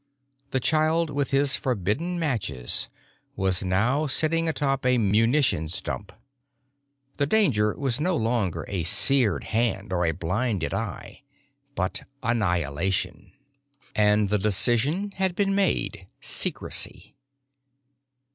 The child with his forbidden matches was now sitting atop a munitions dump; the danger was no longer a seared hand or blinded eye, but annihilation. And the decision had been made: secrecy.